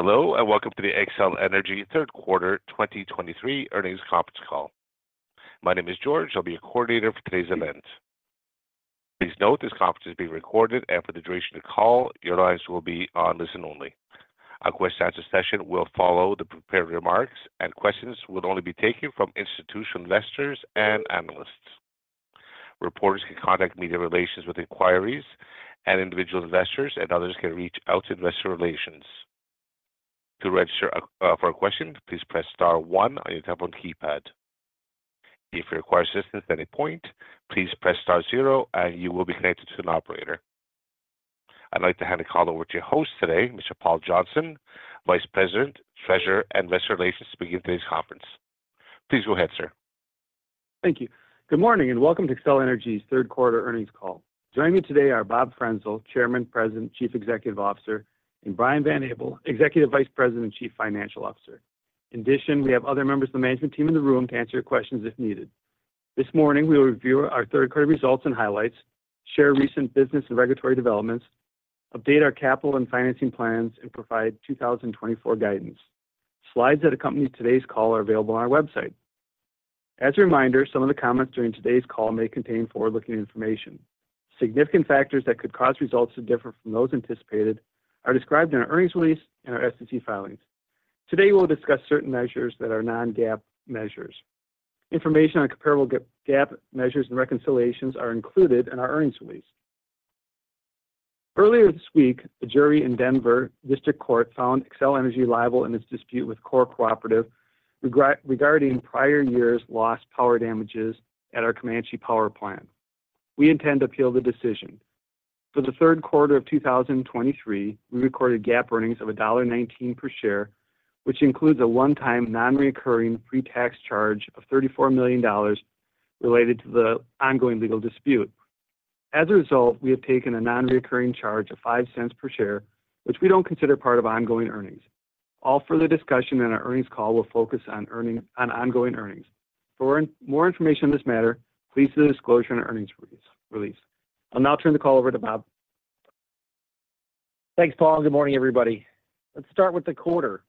Hello, and welcome to the Xcel Energy third quarter 2023 earnings conference call. My name is George. I'll be your coordinator for today's event. Please note, this conference is being recorded, and for the duration of the call, your lines will be on listen only. A Q&A session will follow the prepared remarks, and questions will only be taken from institutional investors and analysts. Reporters can contact Media Relations with inquiries, and individual investors and others can reach out to Investor Relations. To register for a question, please press star one on your telephone keypad. If you require assistance at any point, please press star zero and you will be connected to an operator. I'd like to hand the call over to your host today, Mr. Paul Johnson, Vice President, Treasurer, and Investor Relations, to begin today's conference. Please go ahead, sir. Thank you. Good morning, and welcome to Xcel Energy's third quarter earnings call. Joining me today are Bob Frenzel, Chairman, President, and Chief Executive Officer, and Brian Van Abel, Executive Vice President and Chief Financial Officer. In addition, we have other members of the management team in the room to answer your questions if needed. This morning, we will review our third quarter results and highlights, share recent business and regulatory developments, update our capital and financing plans, and provide 2024 guidance. Slides that accompany today's call are available on our website. As a reminder, some of the comments during today's call may contain forward-looking information. Significant factors that could cause results to differ from those anticipated are described in our earnings release and our SEC filings. Today, we will discuss certain measures that are non-GAAP measures. Information on comparable non-GAAP measures and reconciliations are included in our earnings release. Earlier this week, a jury in Denver District Court found Xcel Energy liable in its dispute with CORE Cooperative regarding prior years' lost power damages at our Comanche Power Plant. We intend to appeal the decision. For the third quarter of 2023, we recorded GAAP earnings of $1.19 per share, which includes a one-time, non-recurring pre-tax charge of $34 million related to the ongoing legal dispute. As a result, we have taken a non-recurring charge of $0.05 per share, which we don't consider part of ongoing earnings. All further discussion in our earnings call will focus on ongoing earnings. For more information on this matter, please see the disclosure and earnings release. I'll now turn the call over to Bob. Thanks, Paul, and good morning, everybody. Let's start with the quarter.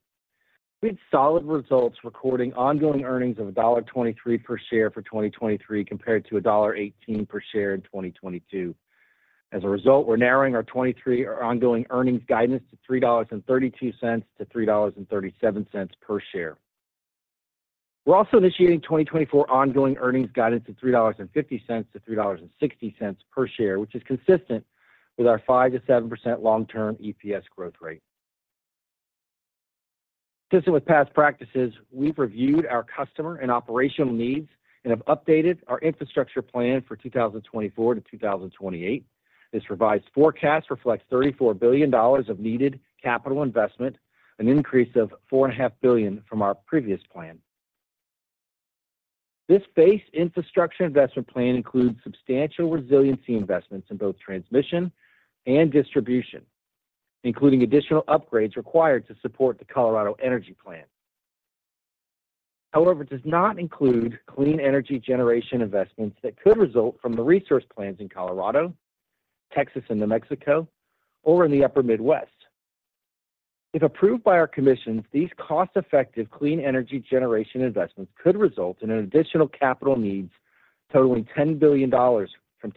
We had solid results, recording ongoing earnings of $1.23 per share for 2023, compared to $1.18 per share in 2022. As a result, we're narrowing our 2023 ongoing earnings guidance to $3.32-$3.37 per share. We're also initiating 2024 ongoing earnings guidance of $3.50-$3.60 per share, which is consistent with our 5%-7% long-term EPS growth rate. Consistent with past practices, we've reviewed our customer and operational needs and have updated our infrastructure plan for 2024-2028. This revised forecast reflects $34 billion of needed capital investment, an increase of $4.5 billion from our previous plan. This base infrastructure investment plan includes substantial resiliency investments in both transmission and distribution, including additional upgrades required to support the Colorado Energy Plan. However, it does not include clean energy generation investments that could result from the resource plans in Colorado, Texas and New Mexico, or in the Upper Midwest. If approved by our commissions, these cost-effective clean energy generation investments could result in an additional capital needs totaling $10 billion from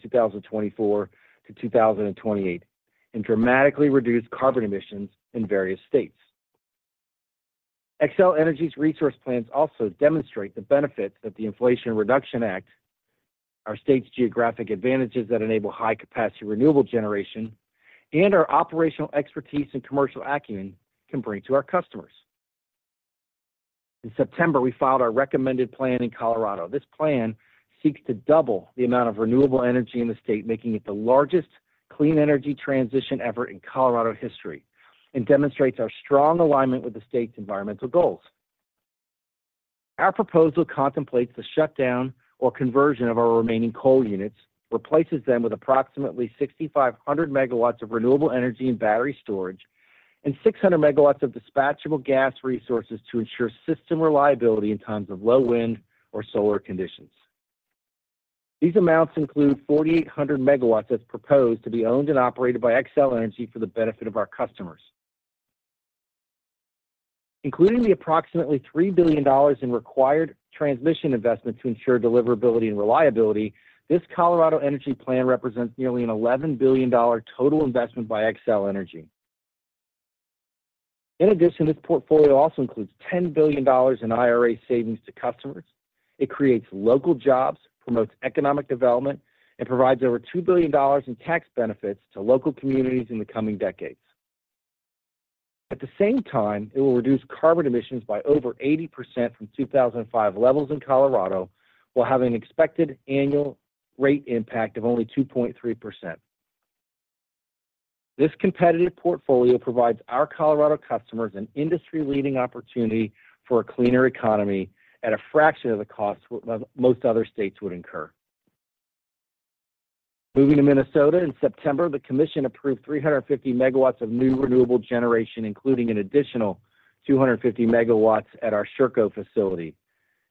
2024-2028 and dramatically reduce carbon emissions in various states. Xcel Energy's resource plans also demonstrate the benefits that the Inflation Reduction Act, our state's geographic advantages that enable high-capacity renewable generation, and our operational expertise and commercial acumen can bring to our customers. In September, we filed our recommended plan in Colorado. This plan seeks to double the amount of renewable energy in the state, making it the largest clean energy transition ever in Colorado history, and demonstrates our strong alignment with the state's environmental goals. Our proposal contemplates the shutdown or conversion of our remaining coal units, replaces them with approximately 6,500 MW of renewable energy and battery storage, and 600 MW of dispatchable gas resources to ensure system reliability in times of low wind or solar conditions. These amounts include 4,800 MW that's proposed to be owned and operated by Xcel Energy for the benefit of our customers. Including the approximately $3 billion in required transmission investment to ensure deliverability and reliability, this Colorado Energy Plan represents nearly an $11 billion total investment by Xcel Energy. In addition, this portfolio also includes $10 billion in IRA savings to customers. It creates local jobs, promotes economic development, and provides over $2 billion in tax benefits to local communities in the coming decades. At the same time, it will reduce carbon emissions by over 80% from 2005 levels in Colorado, while having an expected annual rate impact of only 2.3%. This competitive portfolio provides our Colorado customers an industry-leading opportunity for a cleaner economy at a fraction of the cost most other states would incur. Moving to Minnesota, in September, the commission approved 350 MW of new renewable generation, including an additional 250 MW at our Sherco facility...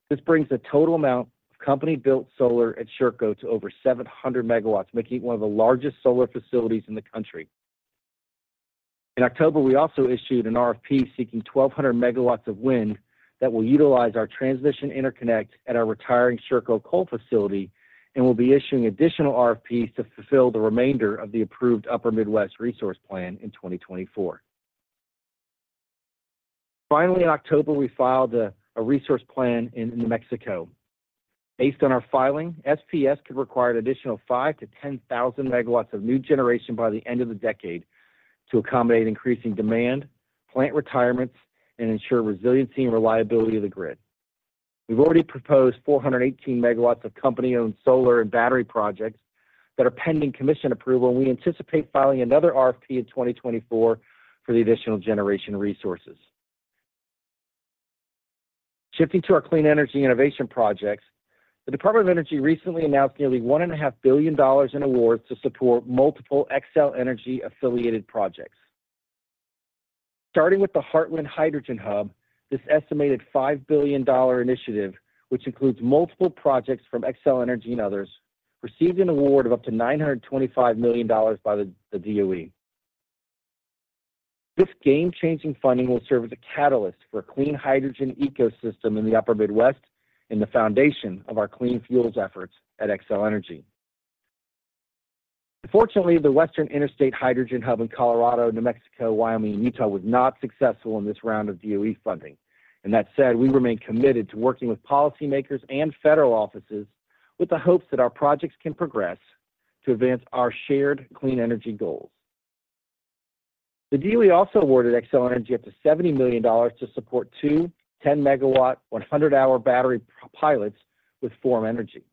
This brings the total amount of company-built solar at Sherco to over 700 MW, making it one of the largest solar facilities in the country. In October, we also issued an RFP seeking 1,200 MW of wind that will utilize our transmission interconnect at our retiring Sherco coal facility, and we'll be issuing additional RFPs to fulfill the remainder of the approved Upper Midwest Resource Plan in 2024. Finally, in October, we filed a resource plan in New Mexico. Based on our filing, SPS could require an additional 5,000-10,000 MW of new generation by the end of the decade to accommodate increasing demand, plant retirements, and ensure resiliency and reliability of the grid. We've already proposed 418 MW of company-owned solar and battery projects that are pending commission approval, and we anticipate filing another RFP in 2024 for the additional generation resources. Shifting to our clean energy innovation projects, the Department of Energy recently announced nearly $1.5 billion in awards to support multiple Xcel Energy affiliated projects. Starting with the Heartland Hydrogen Hub, this estimated $5 billion initiative, which includes multiple projects from Xcel Energy and others, received an award of up to $925 million by the DOE. This game-changing funding will serve as a catalyst for a clean hydrogen ecosystem in the Upper Midwest and the foundation of our clean fuels efforts at Xcel Energy. Unfortunately, the Western Interstate Hydrogen Hub in Colorado, New Mexico, Wyoming, and Utah was not successful in this round of DOE funding. And that said, we remain committed to working with policymakers and federal offices with the hopes that our projects can progress to advance our shared clean energy goals. The DOE also awarded Xcel Energy up to $70 million to support two 10 MW, 100-hour battery pilots with Form Energy.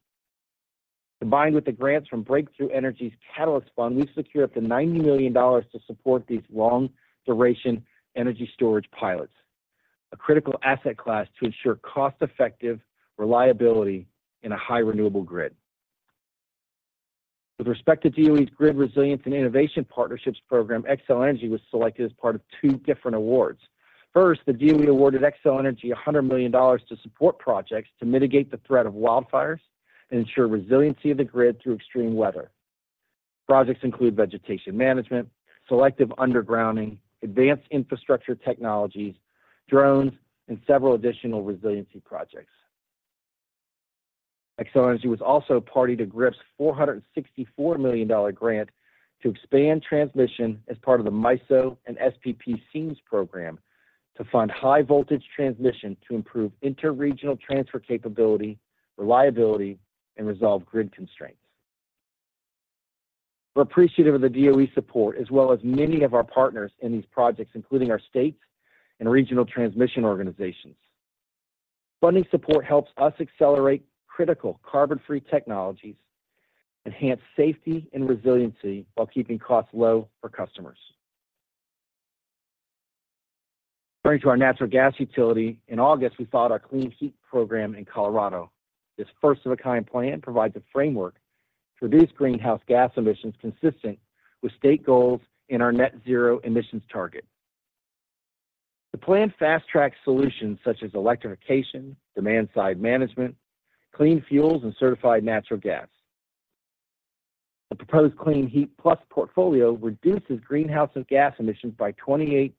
Combined with the grants from Breakthrough Energy's Catalyst Fund, we've secured up to $90 million to support these long-duration energy storage pilots, a critical asset class to ensure cost-effective reliability in a high renewable grid. With respect to DOE's Grid Resilience and Innovation Partnerships program, Xcel Energy was selected as part of two different awards. First, the DOE awarded Xcel Energy $100 million to support projects to mitigate the threat of wildfires and ensure resiliency of the grid through extreme weather. Projects include vegetation management, selective undergrounding, advanced infrastructure technologies, drones, and several additional resiliency projects. Xcel Energy was also party to GRIP's $464 million grant to expand transmission as part of the MISO and SPP seams program to fund high-voltage transmission to improve interregional transfer capability, reliability, and resolve grid constraints. We're appreciative of the DOE support, as well as many of our partners in these projects, including our states and regional transmission organizations. Funding support helps us accelerate critical carbon-free technologies, enhance safety and resiliency, while keeping costs low for customers. Turning to our natural gas utility, in August, we filed our Clean Heat Program in Colorado. This first-of-its-kind plan provides a framework to reduce greenhouse gas emissions consistent with state goals and our net zero emissions target. The plan fast-tracks solutions such as electrification, demand-side management, clean fuels, and certified natural gas. The proposed Clean Heat Plus portfolio reduces greenhouse gas emissions by 28%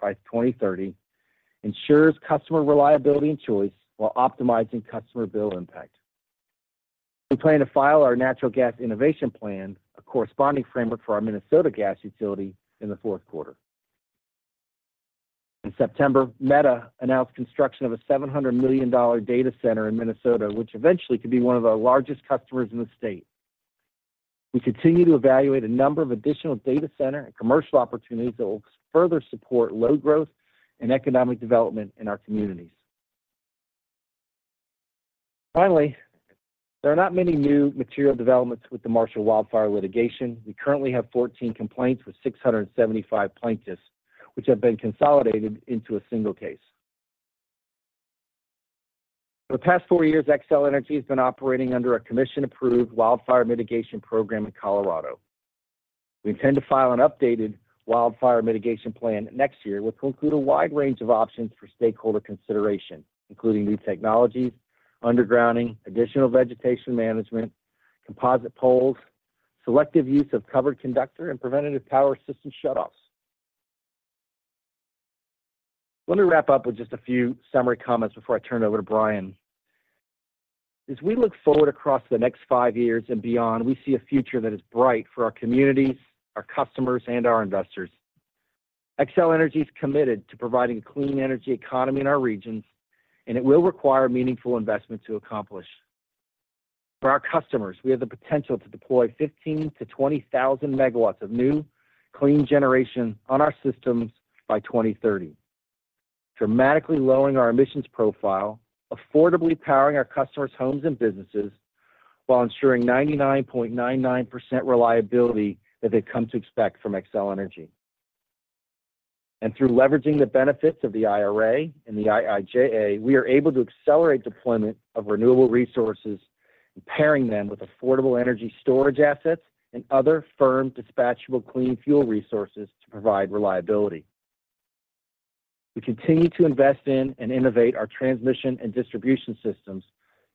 by 2030, ensures customer reliability and choice, while optimizing customer bill impact. We plan to file our Natural Gas Innovation Plan, a corresponding framework for our Minnesota gas utility, in the fourth quarter. In September, Meta announced construction of a $700 million data center in Minnesota, which eventually could be one of our largest customers in the state. We continue to evaluate a number of additional data center and commercial opportunities that will further support load growth and economic development in our communities. Finally, there are not many new material developments with the Marshall Wildfire litigation. We currently have 14 complaints with 675 plaintiffs, which have been consolidated into a single case. For the past four years, Xcel Energy has been operating under a commission-approved wildfire mitigation program in Colorado. We intend to file an updated wildfire mitigation plan next year, which will include a wide range of options for stakeholder consideration, including new technologies, undergrounding, additional vegetation management, composite poles, selective use of covered conductor, and preventative power system shutoffs. Let me wrap up with just a few summary comments before I turn it over to Brian. As we look forward across the next five years and beyond, we see a future that is bright for our communities, our customers, and our investors. Xcel Energy is committed to providing a clean energy economy in our regions, and it will require meaningful investment to accomplish. For our customers, we have the potential to deploy 15,000 MW-20,000 MW of new, clean generation on our systems by 2030, dramatically lowering our emissions profile, affordably powering our customers' homes and businesses, while ensuring 99.99% reliability that they've come to expect from Xcel Energy. Through leveraging the benefits of the IRA and the IIJA, we are able to accelerate deployment of renewable resources and pairing them with affordable energy storage assets and other firm, dispatchable, clean fuel resources to provide reliability... We continue to invest in and innovate our transmission and distribution systems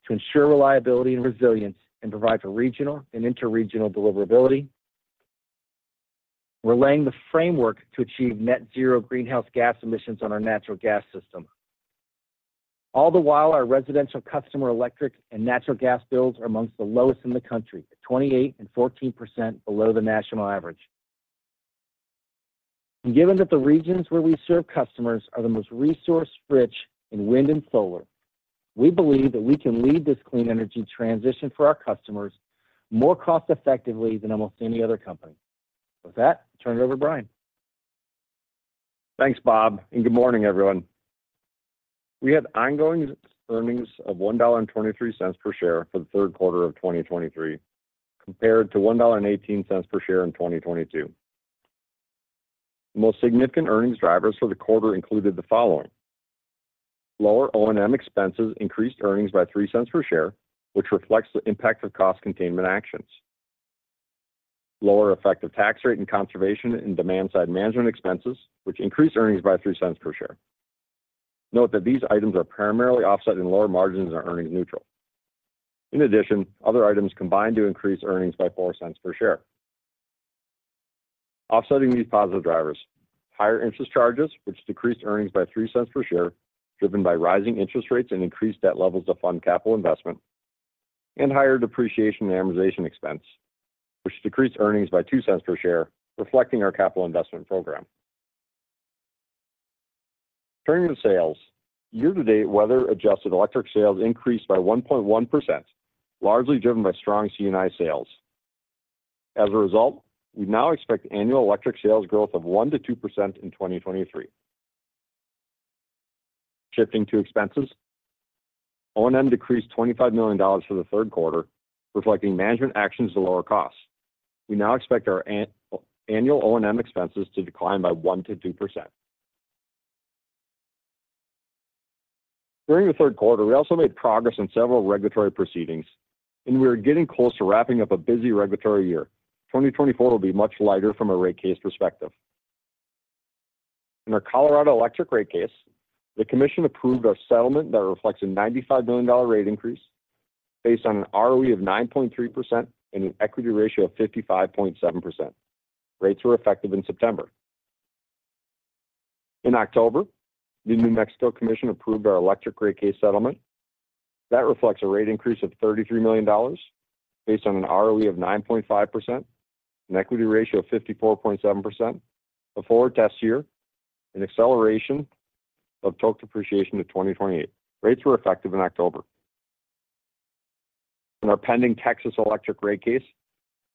to ensure reliability and resilience, and provide for regional and interregional deliverability. We're laying the framework to achieve net zero greenhouse gas emissions on our natural gas system. All the while, our residential customer electric and natural gas bills are among the lowest in the country, at 28% and 14% below the national average. Given that the regions where we serve customers are the most resource-rich in wind and solar, we believe that we can lead this clean energy transition for our customers more cost-effectively than almost any other company. With that, I turn it over to Brian. Thanks, Bob, and good morning, everyone. We had ongoing earnings of $1.23 per share for the third quarter of 2023, compared to $1.18 per share in 2022. The most significant earnings drivers for the quarter included the following: Lower O&M expenses increased earnings by $0.03 per share, which reflects the impact of cost containment actions. Lower effective tax rate and conservation and demand-side management expenses, which increased earnings by $0.03 per share. Note that these items are primarily offsetting lower margins and are earnings neutral. In addition, other items combined to increase earnings by $0.04 per share. Offsetting these positive drivers, higher interest charges, which decreased earnings by $0.03 per share, driven by rising interest rates and increased debt levels to fund capital investment, and higher depreciation and amortization expense, which decreased earnings by $0.02 per share, reflecting our capital investment program. Turning to sales, year-to-date weather-adjusted electric sales increased by 1.1%, largely driven by strong C&I sales. As a result, we now expect annual electric sales growth of 1%-2% in 2023. Shifting to expenses, O&M decreased $25 million for the third quarter, reflecting management actions to lower costs. We now expect our annual O&M expenses to decline by 1%-2%. During the third quarter, we also made progress on several regulatory proceedings, and we are getting close to wrapping up a busy regulatory year. 2024 will be much lighter from a rate case perspective. In our Colorado electric rate case, the commission approved a settlement that reflects a $95 million rate increase based on an ROE of 9.3% and an equity ratio of 55.7%. Rates were effective in September. In October, the New Mexico Commission approved our electric rate case settlement. That reflects a rate increase of $33 million based on an ROE of 9.5%, an equity ratio of 54.7%, a forward test year, an acceleration of total depreciation to 2028. Rates were effective in October. In our pending Texas electric rate case,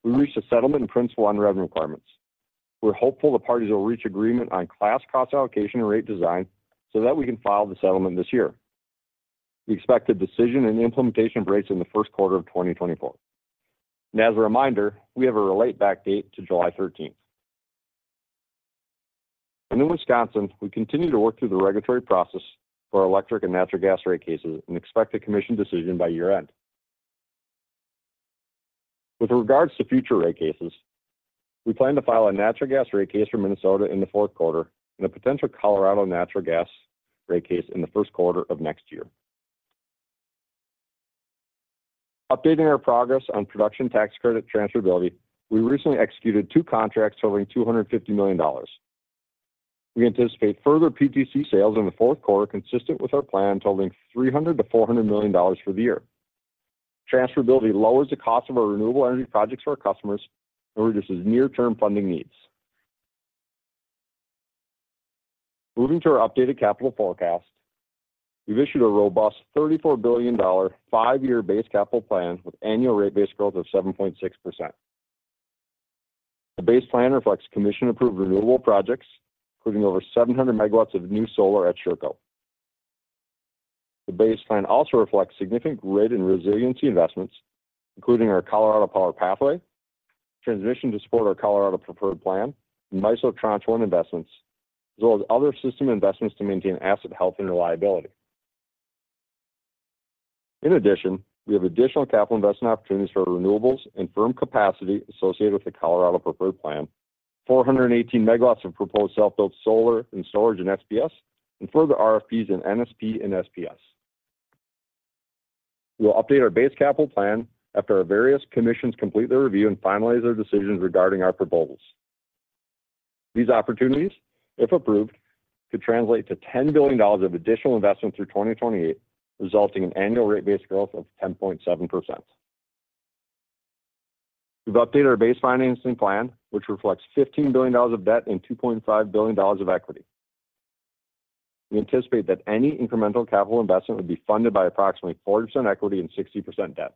we reached a settlement in principle on revenue requirements. We're hopeful the parties will reach agreement on class cost allocation and rate design so that we can file the settlement this year. We expect a decision and implementation of rates in the first quarter of 2024. As a reminder, we have a relate back date to July 13. In Wisconsin, we continue to work through the regulatory process for our electric and natural gas rate cases and expect a commission decision by year-end. With regards to future rate cases, we plan to file a natural gas rate case for Minnesota in the fourth quarter and a potential Colorado natural gas rate case in the first quarter of next year. Updating our progress on production tax credit transferability, we recently executed two contracts totaling $250 million. We anticipate further PTC sales in the fourth quarter, consistent with our plan, totaling $300 million-$400 million for the year. Transferability lowers the cost of our renewable energy projects for our customers and reduces near-term funding needs. Moving to our updated capital forecast, we've issued a robust $34 billion, five-year base capital plan with annual rate base growth of 7.6%. The base plan reflects commission-approved renewable projects, including over 700 MW of new solar at Sherco. The base plan also reflects significant grid and resiliency investments, including our Colorado Power Pathway, transition to support our Colorado Preferred Plan, and MISO Tranche One investments, as well as other system investments to maintain asset health and reliability. In addition, we have additional capital investment opportunities for renewables and firm capacity associated with the Colorado Preferred Plan, 418 MW of proposed self-built solar and storage and SPS, and further RFPs in NSP and SPS. We will update our base capital plan after our various commissions complete their review and finalize their decisions regarding our proposals. These opportunities, if approved, could translate to $10 billion of additional investment through 2028, resulting in annual rate base growth of 10.7%. We've updated our base financing plan, which reflects $15 billion of debt and $2.5 billion of equity. We anticipate that any incremental capital investment would be funded by approximately 40% equity and 60% debt.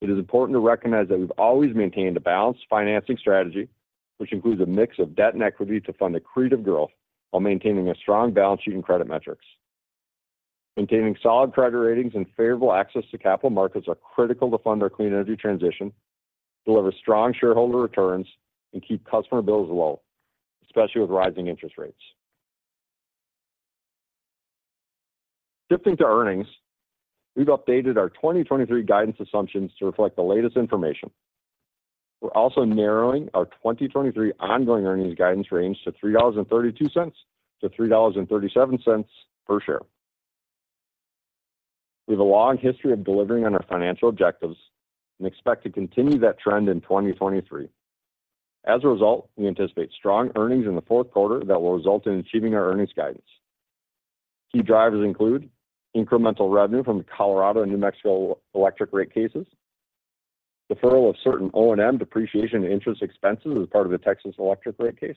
It is important to recognize that we've always maintained a balanced financing strategy, which includes a mix of debt and equity to fund accretive growth while maintaining a strong balance sheet and credit metrics. Maintaining solid credit ratings and favorable access to capital markets are critical to fund our clean energy transition, deliver strong shareholder returns, and keep customer bills low, especially with rising interest rates. Shifting to earnings, we've updated our 2023 guidance assumptions to reflect the latest information. We're also narrowing our 2023 ongoing earnings guidance range to $3.32-$3.37 per share. We have a long history of delivering on our financial objectives and expect to continue that trend in 2023. As a result, we anticipate strong earnings in the fourth quarter that will result in achieving our earnings guidance. Key drivers include incremental revenue from Colorado and New Mexico electric rate cases, deferral of certain O&M depreciation and interest expenses as part of the Texas Electric rate case,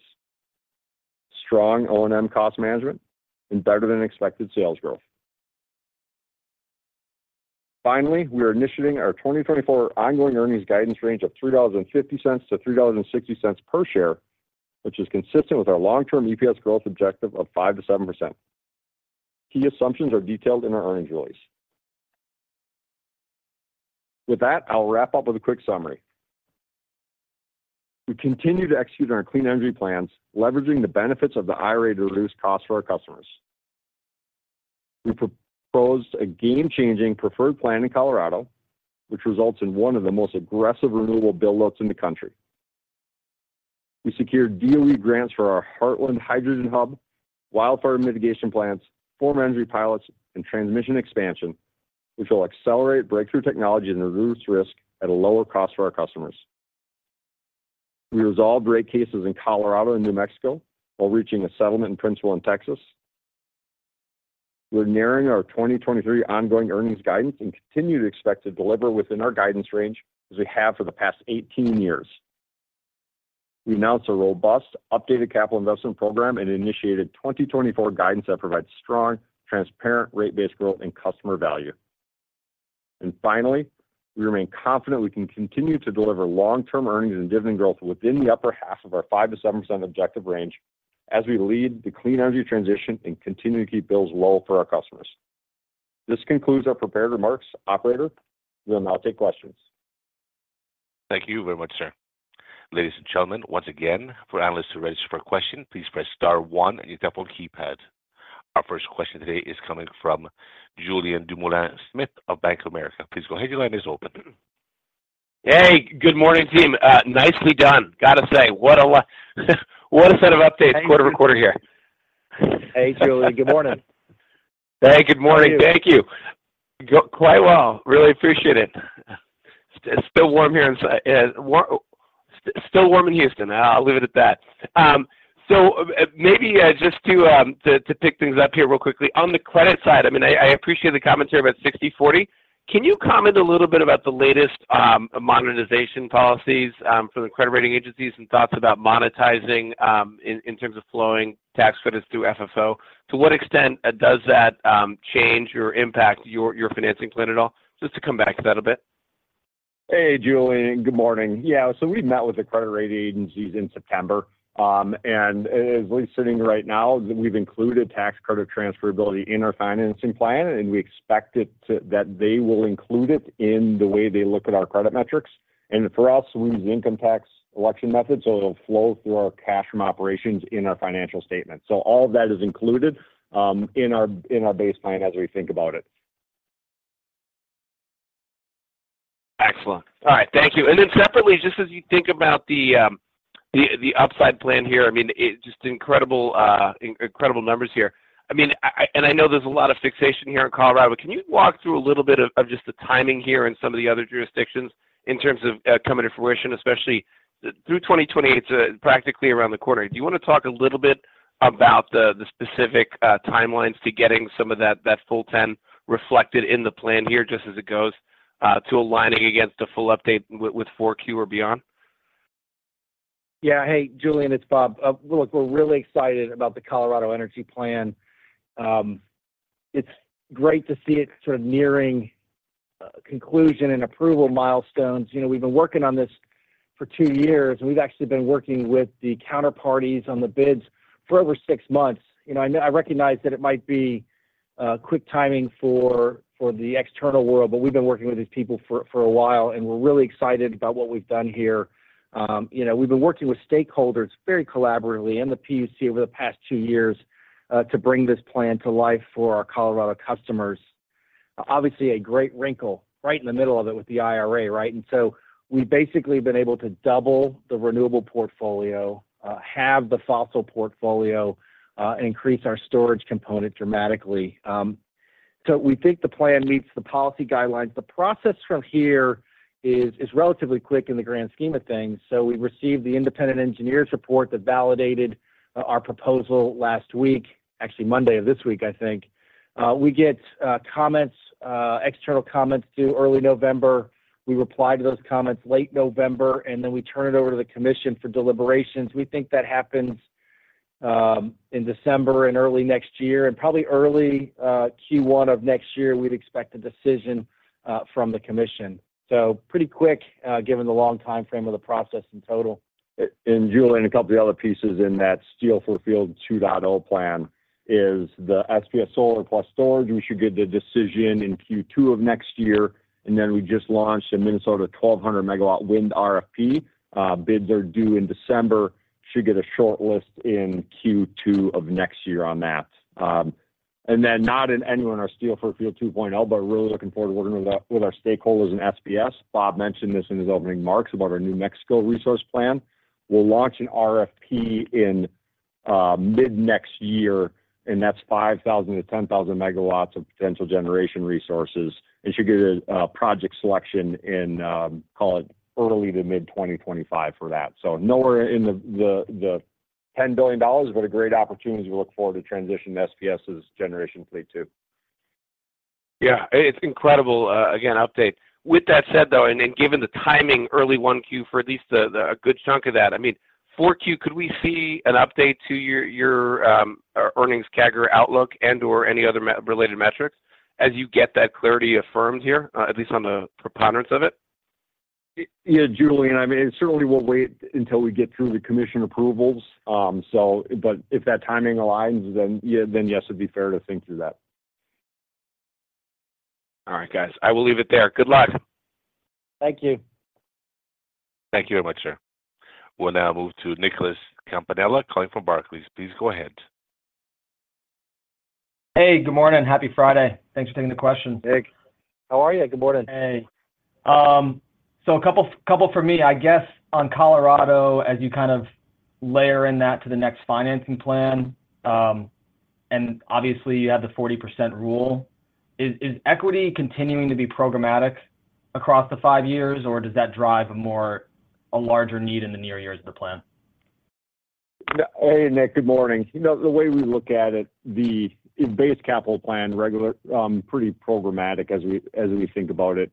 strong O&M cost management, and better than expected sales growth. Finally, we are initiating our 2024 ongoing earnings guidance range of $3.50-$3.60 per share, which is consistent with our long-term EPS growth objective of 5%-7%. Key assumptions are detailed in our earnings release. With that, I'll wrap up with a quick summary. We continue to execute on our clean energy plans, leveraging the benefits of the IRA to reduce costs for our customers. We proposed a game-changing preferred plan in Colorado, which results in one of the most aggressive renewable buildouts in the country. We secured DOE grants for our Heartland Hydrogen Hub, wildfire mitigation plans, Form Energy pilots, and transmission expansion, which will accelerate breakthrough technology and reduce risk at a lower cost for our customers. We resolved rate cases in Colorado and New Mexico, while reaching a settlement in principle in Texas. We're narrowing our 2023 ongoing earnings guidance and continue to expect to deliver within our guidance range as we have for the past 18 years. We announced a robust updated capital investment program and initiated 2024 guidance that provides strong, transparent, rate-based growth and customer value. And finally, we remain confident we can continue to deliver long-term earnings and dividend growth within the upper half of our 5%-7% objective range as we lead the clean energy transition and continue to keep bills low for our customers. This concludes our prepared remarks. Operator, we will now take questions. Thank you very much, sir. Ladies and gentlemen, once again, for analysts who register for a question, please press star one on your telephone keypad. Our first question today is coming from Julien Dumoulin-Smith of Bank of America. Please go ahead, your line is open. Hey, good morning, team. Nicely done. Got to say, what a set of updates quarter-to-quarter here. Hey, Julien. Good morning. Hey, good morning. Thank you. Went quite well. Really appreciate it. It's still warm here in Houston. I'll leave it at that. So maybe just to pick things up here real quickly. On the credit side, I mean, I appreciate the commentary about 60/40. Can you comment a little bit about the latest monetization policies for the credit rating agencies and thoughts about monetizing in terms of flowing tax credits through FFO? To what extent does that change or impact your financing plan at all, just to come back to that a bit? Hey, Julien. Good morning. Yeah, so we met with the credit rating agencies in September. And as we're sitting right now, we've included tax credit transferability in our financing plan, and we expect it to—that they will include it in the way they look at our credit metrics. For us, we use income tax election method, so it'll flow through our cash from operations in our financial statement. All of that is included in our base plan as we think about it. Excellent. All right, thank you. And then separately, just as you think about the upside plan here, I mean, it's just incredible, incredible numbers here. I mean, I—and I know there's a lot of fixation here in Colorado. Can you walk through a little bit of just the timing here and some of the other jurisdictions in terms of coming to fruition, especially through 2028, practically around the corner. Do you want to talk a little bit about the specific timelines to getting some of that full 10 reflected in the plan here, just as it goes to aligning against a full update with Q4 or beyond? Yeah. Hey, Julien, it's Bob. Look, we're really excited about the Colorado Energy Plan. It's great to see it sort of nearing conclusion and approval milestones. You know, we've been working on this for two years, and we've actually been working with the counterparties on the bids for over six months. You know, I recognize that it might be quick timing for the external world, but we've been working with these people for a while, and we're really excited about what we've done here. You know, we've been working with stakeholders very collaboratively in the PUC over the past two years to bring this plan to life for our Colorado customers. Obviously, a great wrinkle right in the middle of it with the IRA, right? And so we've basically been able to double the renewable portfolio, halve the fossil portfolio, and increase our storage component dramatically. So we think the plan meets the policy guidelines. The process from here is relatively quick in the grand scheme of things. So we received the independent engineer's report that validated our proposal last week. Actually, Monday of this week, I think. We get external comments due early November. We reply to those comments late November, and then we turn it over to the commission for deliberations. We think that happens in December and early next year, and probably early Q1 of next year, we'd expect a decision from the commission. So pretty quick, given the long timeframe of the process in total. And Julien, a couple of the other pieces in that Steel for Fuel 2.0 plan is the SPS solar plus storage. We should get the decision in Q2 of next year, and then we just launched a Minnesota 1,200 MW wind RFP. Bids are due in December. Should get a shortlist in Q2 of next year on that. And then not in anyone, our Steel for Fuel 2.0, but really looking forward to working with our, with our stakeholders in SPS. Bob mentioned this in his opening remarks about our New Mexico resource plan. We'll launch an RFP in mid-next year, and that's 5,000 MW-10,000 MW of potential generation resources, and should get a project selection in call it early to mid-2025 for that. Nowhere in the $10 billion, but a great opportunity as we look forward to transition SPS's generation fleet to. Yeah, it's incredible, again, update. With that said, though, given the timing early 1Q for at least a good chunk of that, I mean, 4Q, could we see an update to your earnings CAGR outlook and or any other EPS-related metrics as you get that clarity affirmed here, at least on the preponderance of it? Yeah, Julien, I mean, it certainly won't wait until we get through the commission approvals. So but if that timing aligns, then yeah, then, yes, it'd be fair to think through that. All right, guys, I will leave it there. Good luck. Thank you. Thank you very much, sir. We'll now move to Nicholas Campanella calling from Barclays. Please go ahead. Hey, good morning. Happy Friday. Thanks for taking the question. Nick, how are you? Good morning. Hey. So a couple for me, I guess, on Colorado, as you kind of layer in that to the next financing plan, and obviously, you have the 40% rule. Is equity continuing to be programmatic across the five years, or does that drive a more, a larger need in the near years of the plan? Hey, Nick. Good morning. You know, the way we look at it, the base capital plan, regular, pretty programmatic as we think about it,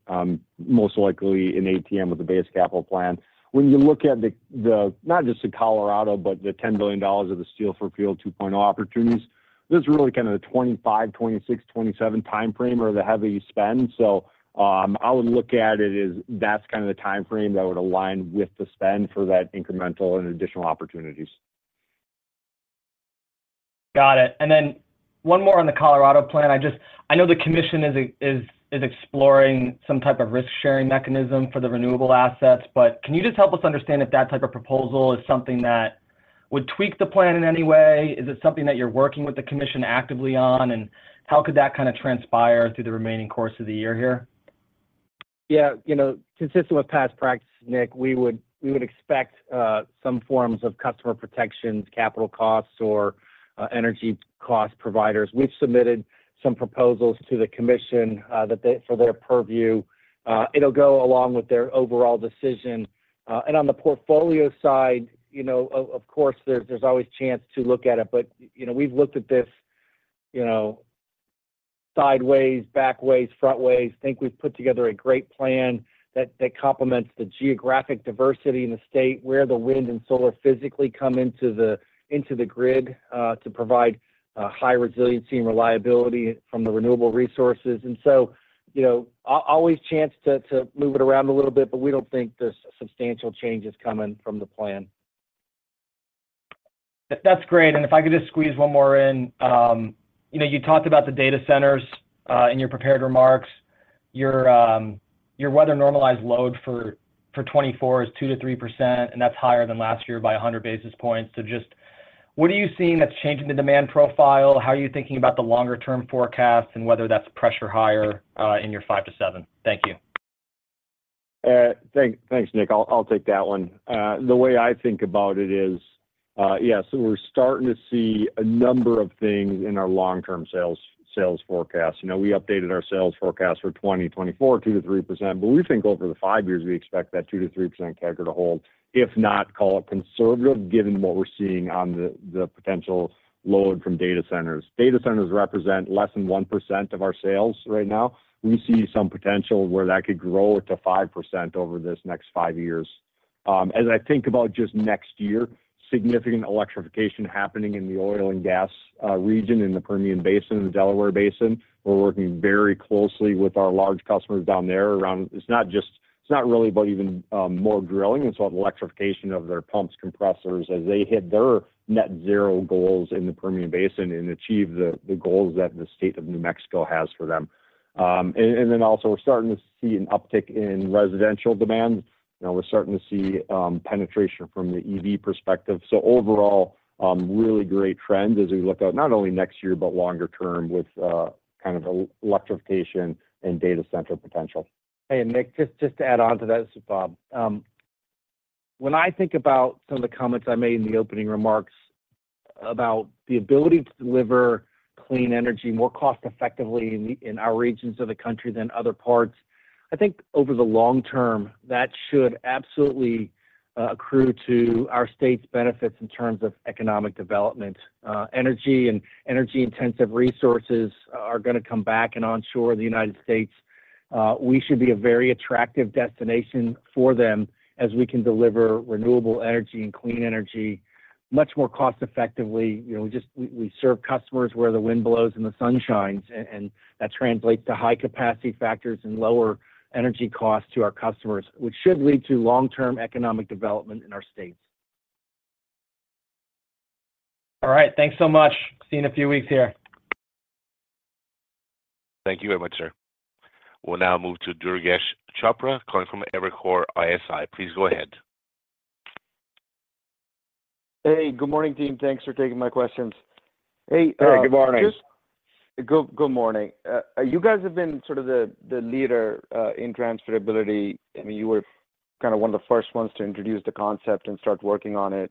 most likely in ATM with the base capital plan. When you look at the, not just the Colorado, but the $10 billion of the Steel for Fuel 2.0 opportunities, this is really kind of the 2025, 2026, 2027 time frame or the heavy spend. I would look at it as that's kind of the time frame that would align with the spend for that incremental and additional opportunities. Got it. And then one more on the Colorado plan. I just, I know the commission is exploring some type of risk-sharing mechanism for the renewable assets, but can you just help us understand if that type of proposal is something that would tweak the plan in any way? Is it something that you're working with the commission actively on, and how could that kind of transpire through the remaining course of the year here? Yeah, you know, consistent with past practices, Nick, we would expect some forms of customer protections, capital costs, or energy cost providers. We've submitted some proposals to the commission that they for their purview. It'll go along with their overall decision. And on the portfolio side, you know, of course, there's always chance to look at it, but, you know, we've looked at this, you know, sideways, back ways, front ways. I think we've put together a great plan that complements the geographic diversity in the state, where the wind and solar physically come into the grid to provide high resiliency and reliability from the renewable resources. And so, you know, always chance to move it around a little bit, but we don't think there's substantial change is coming from the plan. That's great. And if I could just squeeze one more in. You know, you talked about the data centers in your prepared remarks. Your, your weather normalized load for, for 2024 is 2%-3%, and that's higher than last year by 100 basis points. So just what are you seeing that's changing the demand profile? How are you thinking about the longer term forecast and whether that's pressure higher, in your 5%-%? Thank you. Thanks, Nick. I'll take that one. The way I think about it is, yeah, so we're starting to see a number of things in our long-term sales forecast. You know, we updated our sales forecast for 2024, 2%-3%, but we think over the five years, we expect that 2%-3% CAGR to hold, if not, call it conservative, given what we're seeing on the potential load from data centers. Data centers represent less than 1% of our sales right now. We see some potential where that could grow to 5% over this next five years. As I think about just next year, significant electrification happening in the oil and gas region, in the Permian Basin, in the Delaware Basin. We're working very closely with our large customers down there around... It's not really about even more drilling, it's about electrification of their pumps, compressors, as they hit their net zero goals in the Permian Basin and achieve the goals that the state of New Mexico has for them. And then also, we're starting to see an uptick in residential demand. You know, we're starting to see penetration from the EV perspective. So overall, really great trend as we look out, not only next year, but longer term with kind of electrification and data center potential. Hey, Nick, just, just to add on to that. This is Bob. When I think about some of the comments I made in the opening remarks about the ability to deliver clean energy more cost effectively in our regions of the country than other parts, I think over the long term, that should absolutely accrue to our state's benefits in terms of economic development. Energy and energy-intensive resources are going to come back and onshore the United States. We should be a very attractive destination for them as we can deliver renewable energy and clean energy much more cost effectively. You know, we just serve customers where the wind blows and the sun shines, and that translates to high capacity factors and lower energy costs to our customers, which should lead to long-term economic development in our states. All right. Thanks so much. See you in a few weeks here.... Thank you very much, sir. We'll now move to Durgesh Chopra, calling from Evercore ISI. Please go ahead. Hey, good morning, team. Thanks for taking my questions. Hey, Hey, good morning. Good morning. You guys have been sort of the leader in transferability. I mean, you were kind of one of the first ones to introduce the concept and start working on it.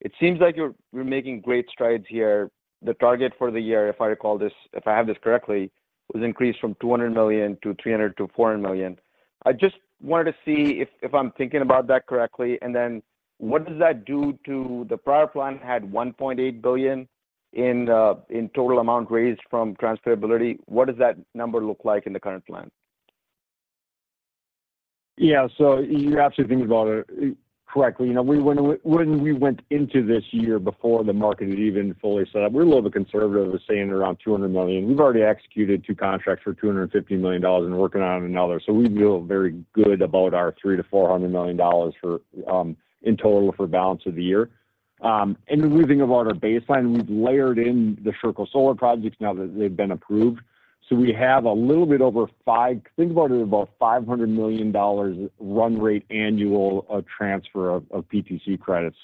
It seems like you're making great strides here. The target for the year, if I recall this, if I have this correctly, was increased from $200 million to $300 million to $400 million. I just wanted to see if I'm thinking about that correctly, and then what does that do to the prior plan had $1.8 billion in total amount raised from transferability. What does that number look like in the current plan? Yeah. You're absolutely thinking about it, you know, correctly. You know, when we went into this year before the market had even fully set up, we were a little bit conservative with saying around $200 million. We've already executed two contracts for $250 million and working on another. We feel very good about our $300 million-$400 million in total for balance of the year. When we think about our baseline, we've layered in the Sherco Solar projects now that they've been approved. We have a little bit over $500 million run rate annual transfer of PTC credits.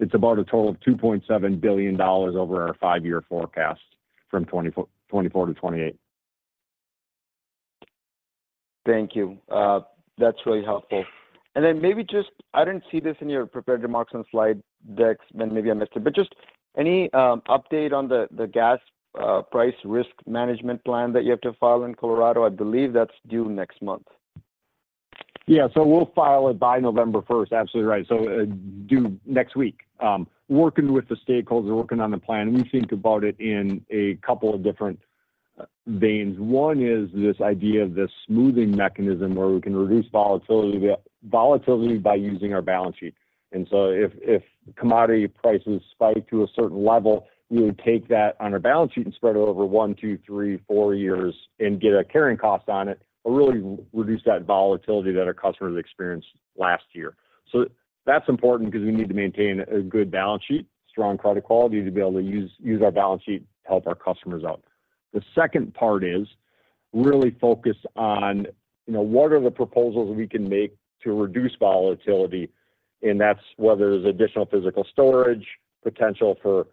It's about a total of $2.7 billion over our five-year forecast from 2024-2028. Thank you. That's really helpful. And then maybe just... I didn't see this in your prepared remarks on slide decks, then maybe I missed it, but just any update on the gas price risk management plan that you have to file in Colorado? I believe that's due next month. Yeah. So we'll file it by November first. Absolutely right. So, due next week. Working with the stakeholders, working on the plan, we think about it in a couple of different veins. One is this idea of this smoothing mechanism, where we can reduce volatility, volatility by using our balance sheet. And so if, if commodity prices spike to a certain level, we would take that on our balance sheet and spread it over one, two, three, four years and get a carrying cost on it, but really reduce that volatility that our customers experienced last year. So that's important because we need to maintain a good balance sheet, strong credit quality, to be able to use, use our balance sheet to help our customers out. The second part is really focus on, you know, what are the proposals we can make to reduce volatility? That's whether there's additional physical storage, potential for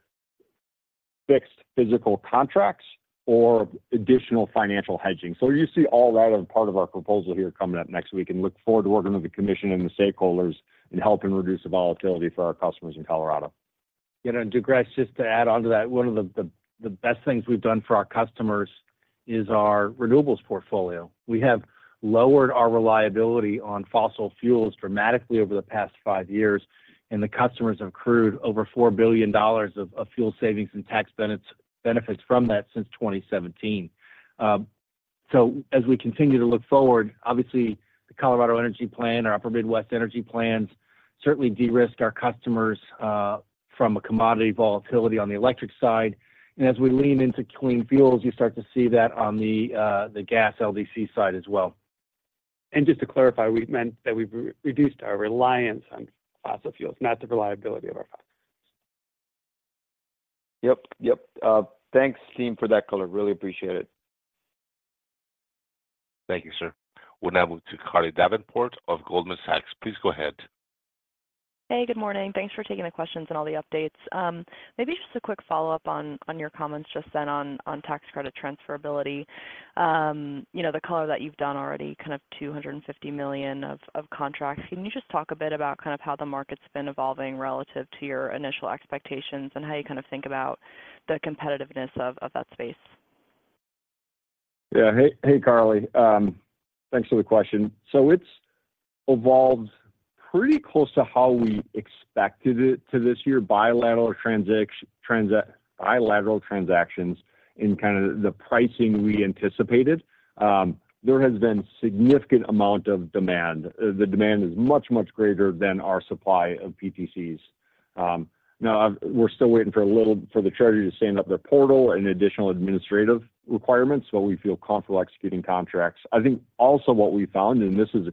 fixed physical contracts or additional financial hedging. You see all that as part of our proposal here coming up next week, and look forward to working with the commission and the stakeholders in helping reduce the volatility for our customers in Colorado. You know, and Durgesh, just to add on to that, one of the best things we've done for our customers is our renewables portfolio. We have lowered our reliability on fossil fuels dramatically over the past five years, and the customers have accrued over $4 billion of fuel savings and tax benefits from that since 2017. So as we continue to look forward, obviously, the Colorado Energy Plan, our Upper Midwest Energy Plans, certainly de-risk our customers from a commodity volatility on the electric side. And as we lean into clean fuels, you start to see that on the gas LDC side as well. And just to clarify, we meant that we've re-reduced our reliance on fossil fuels, not the reliability of our fossil. Yep, yep. Thanks, team, for that color. Really appreciate it. Thank you, sir. We'll now move to Carly Davenport of Goldman Sachs. Please go ahead. Hey, good morning. Thanks for taking the questions and all the updates. Maybe just a quick follow-up on your comments just then on tax credit transferability. You know, the color that you've done already, kind of $250 million of contracts. Can you just talk a bit about kind of how the market's been evolving relative to your initial expectations and how you kind of think about the competitiveness of that space? Yeah. Hey, hey, Carly. Thanks for the question. So it's evolved pretty close to how we expected it to this year, bilateral transactions in kind of the pricing we anticipated. There has been significant amount of demand. The demand is much, much greater than our supply of PTCs. Now, we're still waiting for a little, for the treasury to stand up their portal and additional administrative requirements, but we feel comfortable executing contracts. I think also what we found, and this is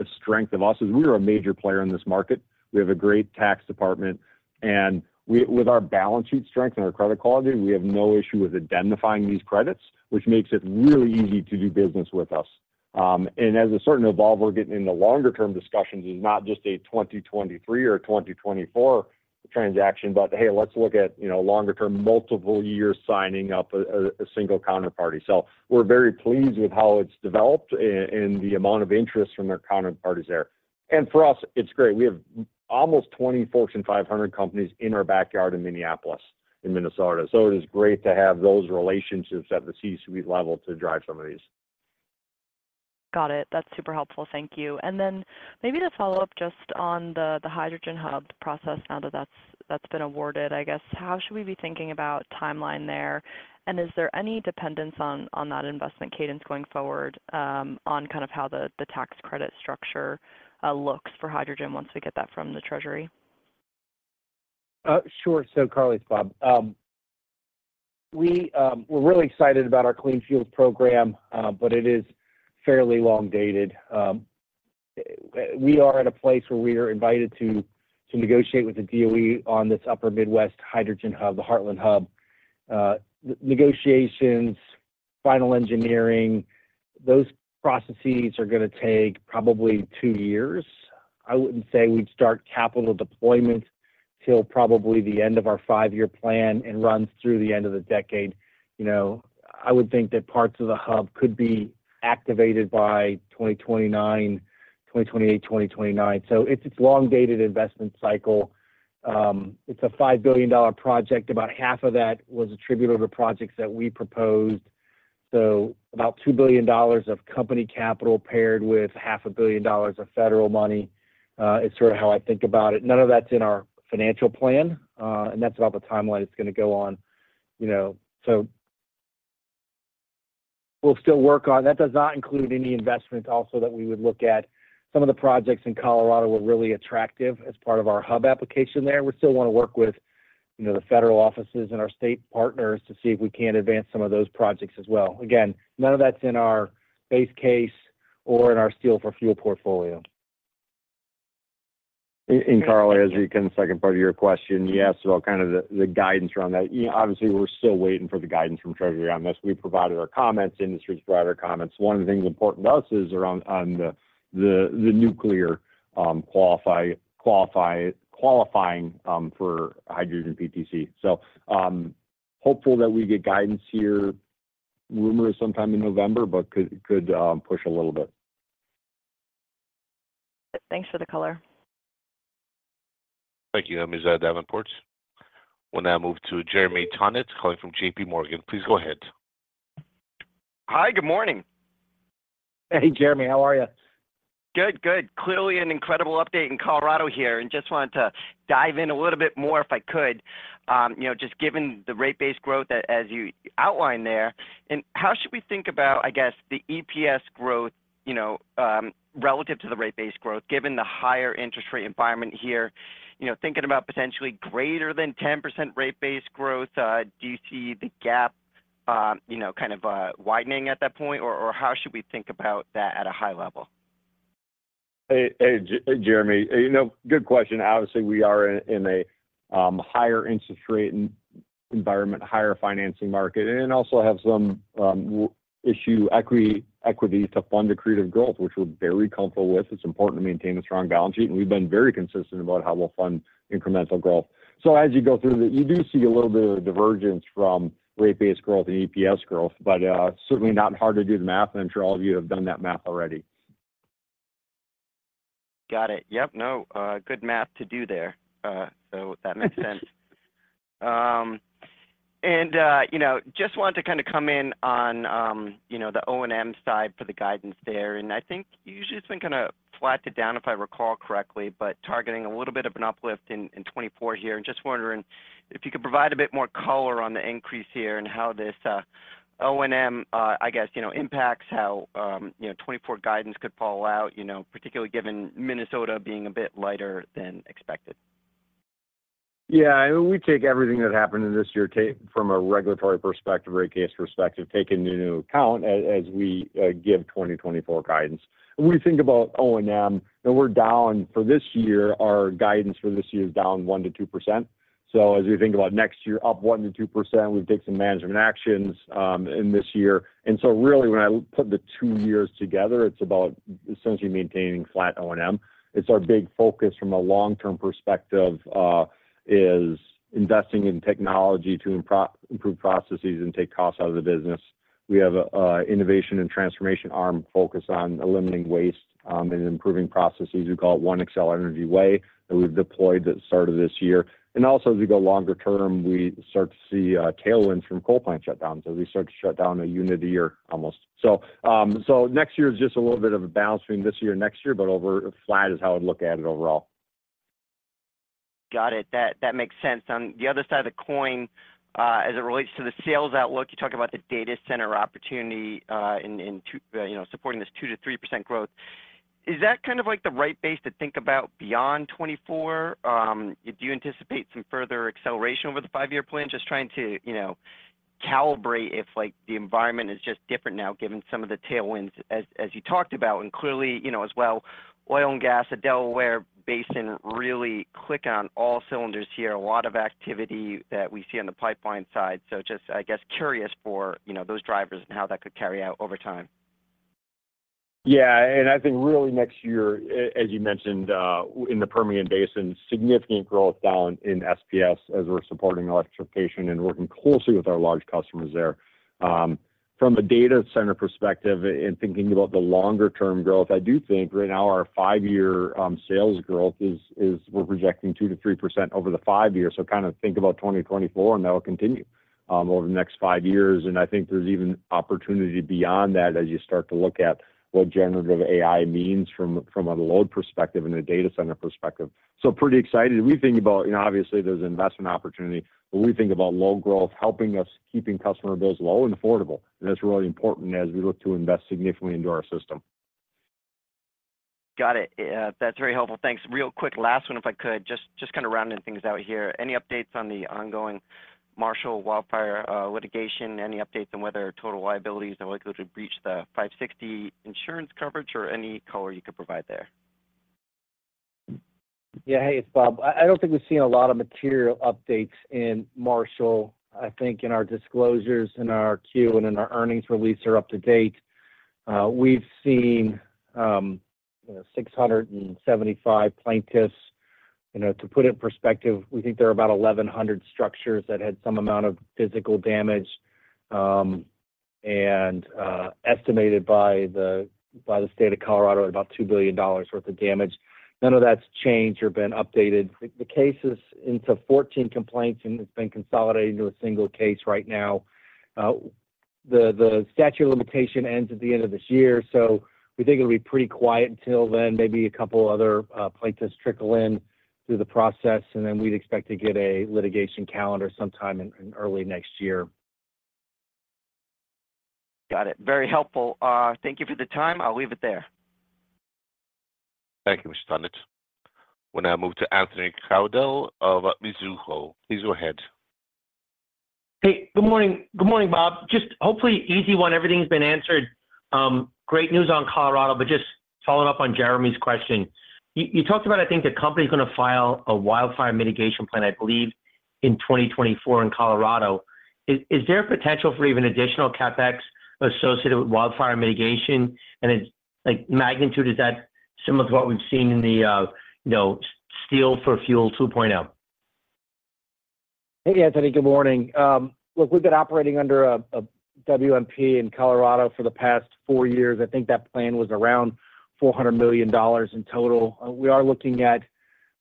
a strength of us, is we are a major player in this market. We have a great tax department, and with our balance sheet strength and our credit quality, we have no issue with identifying these credits, which makes it really easy to do business with us. And as it's starting to evolve, we're getting into longer-term discussions, and not just a 2023 or 2024 transaction, but hey, let's look at, you know, longer term, multiple years signing up a single counterparty. So we're very pleased with how it's developed and the amount of interest from our counterparties there. And for us, it's great. We have almost 20 Fortune 500 companies in our backyard in Minneapolis, in Minnesota. So it is great to have those relationships at the C-suite level to drive some of these. Got it. That's super helpful. Thank you. And then maybe to follow up just on the Hydrogen Hub process, now that that's been awarded, I guess. How should we be thinking about timeline there? And is there any dependence on that investment cadence going forward, on kind of how the tax credit structure looks for hydrogen once we get that from the Treasury? Sure. Carly, it's Bob. We are really excited about our clean fuels program, but it is fairly long dated. We are at a place where we are invited to negotiate with the DOE on this Upper Midwest hydrogen hub, the Heartland hub. Negotiations, final engineering, those processes are gonna take probably two years. I wouldn't say we'd start capital deployment till probably the end of our five-year plan and runs through the end of the decade. You know, I would think that parts of the hub could be activated by 2028, 2029. It's a long-dated investment cycle. It's a $5 billion project. About half of that was attributed to projects that we proposed. So about $2 billion of company capital paired with $500 million of federal money is sort of how I think about it. None of that's in our financial plan, and that's about the timeline it's gonna go on, you know? We'll still work on that. That does not include any investment also that we would look at. Some of the projects in Colorado were really attractive as part of our hub application there. We still wanna work with, you know, the federal offices and our state partners to see if we can advance some of those projects as well. Again, none of that's in our base case or in our Steel for Fuel portfolio. Carly, the second part of your question, you asked about kind of the guidance around that. You know, obviously, we're still waiting for the guidance from Treasury on this. We provided our comments, industry's provided comments. One of the things important to us is around the nuclear qualifying for hydrogen PTC. So, hopeful that we get guidance here, rumored sometime in November, but could push a little bit. Thanks for the color. Thank you, Ms. Davenport. We'll now move to Jeremy Tonet, calling from JP Morgan. Please go ahead. Hi, good morning. Hey, Jeremy, how are you? Good, good. Clearly, an incredible update in Colorado here, and just wanted to dive in a little bit more, if I could. You know, just given the rate base growth as, as you outlined there, and how should we think about, I guess, the EPS growth, you know, relative to the rate base growth, given the higher interest rate environment here? You know, thinking about potentially greater than 10% rate base growth, do you see the gap, you know, kind of, widening at that point, or, or how should we think about that at a high level? Hey, hey, Jeremy, you know, good question. Obviously, we are in, in a higher interest rate environment, higher financing market, and also have some issue equity, equity to fund accretive growth, which we're very comfortable with. It's important to maintain a strong balance sheet, and we've been very consistent about how we'll fund incremental growth. So as you go through that, you do see a little bit of a divergence from rate-based growth and EPS growth, but certainly not hard to do the math, and I'm sure all of you have done that math already. Got it. Yep, no, good math to do there. So that makes sense. And, you know, just wanted to kinda come in on, you know, the O&M side for the guidance there. And I think you usually it's been kinda flattened down, if I recall correctly, but targeting a little bit of an uplift in 2024 here. And just wondering if you could provide a bit more color on the increase here and how this, O&M, I guess, you know, impacts how, you know, 2024 guidance could fall out, you know, particularly given Minnesota being a bit lighter than expected. Yeah, we take everything that happened in this year from a regulatory perspective, rate case perspective, take into account as we give 2024 guidance. When we think about O&M, and we're down for this year, our guidance for this year is down 1%-2%. So as we think about next year, up 1%-2%, we've taken some management actions in this year. And so really, when I put the two years together, it's about essentially maintaining flat O&M. It's our big focus from a long-term perspective is investing in technology to improve processes and take costs out of the business. We have an innovation and transformation arm focused on eliminating waste and improving processes. We call it One Xcel Energy Way, that we've deployed at the start of this year. And also, as we go longer term, we start to see tailwinds from coal plant shutdowns as we start to shut down a unit a year, almost. So, so next year is just a little bit of a balance between this year and next year, but over flat is how I'd look at it overall. Got it. That makes sense. On the other side of the coin, as it relates to the sales outlook, you talked about the data center opportunity, you know, supporting this 2%-3% growth. Is that kind of like the right base to think about beyond 2024? Do you anticipate some further acceleration over the five-year plan? Just trying to, you know, calibrate if, like, the environment is just different now, given some of the tailwinds as you talked about. And clearly, you know, as well, oil and gas, the Delaware Basin, really click on all cylinders here, a lot of activity that we see on the pipeline side. So just, I guess, curious for, you know, those drivers and how that could carry out over time. Yeah, and I think really next year, as you mentioned, in the Permian Basin, significant growth down in SPS as we're supporting electrification and working closely with our large customers there. From a data center perspective and thinking about the longer-term growth, I do think right now our five-year sales growth is we're projecting 2%-3% over the five years. So kind of think about 2024, and that will continue over the next five years. And I think there's even opportunity beyond that as you start to look at what generative AI means from a load perspective and a data center perspective. So pretty excited. We think about, you know, obviously, there's investment opportunity, but we think about load growth helping us keeping customer bills low and affordable, and that's really important as we look to invest significantly into our system. Got it. That's very helpful. Thanks. Real quick, last one, if I could, just kind of rounding things out here. Any updates on the ongoing Marshall Fire litigation? Any updates on whether total liabilities are likely to breach the $560 insurance coverage or any color you could provide there?... Yeah. Hey, it's Bob. I don't think we've seen a lot of material updates in Marshall. I think in our disclosures, in our Q and in our earnings release are up to date. We've seen, you know, 675 plaintiffs. You know, to put it in perspective, we think there are about 1,100 structures that had some amount of physical damage, and estimated by the, by the state of Colorado at about $2 billion worth of damage. None of that's changed or been updated. The case is into 14 complaints, and it's been consolidated into a single case right now. The statute of limitation ends at the end of this year, so we think it'll be pretty quiet until then. Maybe a couple other plaintiffs trickle in through the process, and then we'd expect to get a litigation calendar sometime in early next year. Got it. Very helpful. Thank you for the time. I'll leave it there. Thank you, Mr. Tonet. We'll now move to Anthony Crowdell of Mizuho. Please go ahead. Hey, good morning. Good morning, Bob. Just hopefully, easy one, everything's been answered. Great news on Colorado, but just following up on Jeremy's question. You talked about, I think, the company's gonna file a wildfire mitigation plan, I believe, in 2024 in Colorado. Is there a potential for even additional CapEx associated with wildfire mitigation? And it's like, magnitude, is that similar to what we've seen in the, you know, Steel for Fuel 2.0? Hey, Anthony. Good morning. Look, we've been operating under a WMP in Colorado for the past four years. I think that plan was around $400 million in total. We are looking at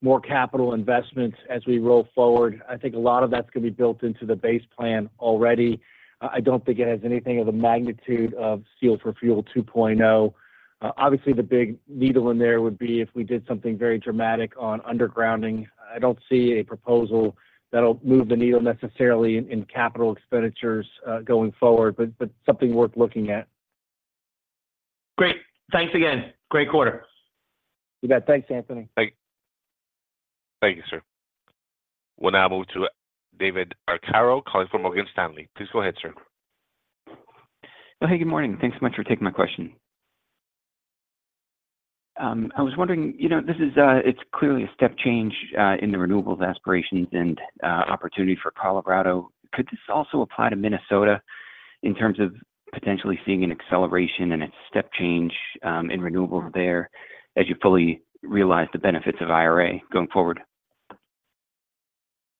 more capital investments as we roll forward. I think a lot of that's going to be built into the base plan already. I don't think it has anything of the magnitude of Steel for Fuel 2.0. Obviously, the big needle in there would be if we did something very dramatic on undergrounding. I don't see a proposal that'll move the needle necessarily in capital expenditures going forward, but something worth looking at. Great. Thanks again. Great quarter. You bet. Thanks, Anthony. Thank you, sir. We'll now move to David Arcaro, calling from Morgan Stanley. Please go ahead, sir. Well, hey, good morning. Thanks so much for taking my question. I was wondering, you know. It's clearly a step change in the renewables aspirations and opportunity for Colorado. Could this also apply to Minnesota in terms of potentially seeing an acceleration and a step change in renewables there, as you fully realize the benefits of IRA going forward?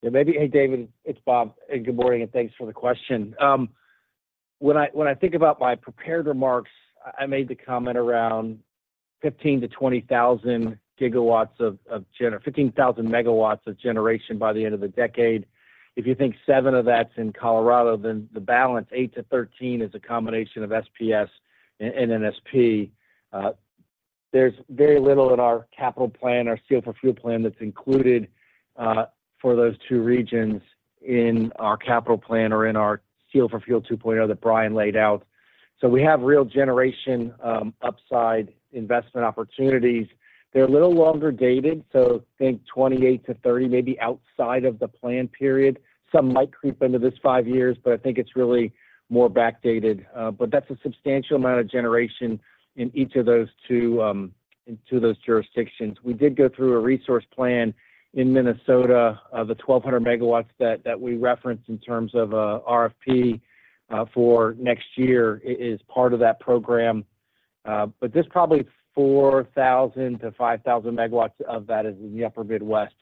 Yeah, maybe. Hey, David, it's Bob. Good morning, and thanks for the question. When I think about my prepared remarks, I made the comment around 15,000 GW-20,000 GW of generation 15,000 MW of generation by the end of the decade. If you think seven of that's in Colorado, then the balance, eight to 13, is a combination of SPS and NSP. There's very little in our capital plan, our Steel for Fuel plan, that's included for those two regions in our capital plan or in our Steel for Fuel 2.0 that Brian laid out. We have real generation upside investment opportunities. They're a little longer dated, so think 2028-2030, maybe outside of the plan period. Some might creep into this five years, but I think it's really more backdated. But that's a substantial amount of generation in each of those two, in two of those jurisdictions. We did go through a resource plan in Minnesota of the 1,200 MW that we referenced in terms of RFP for next year is part of that program. But there's probably 4,000 MW-5,000 MW of that is in the Upper Midwest,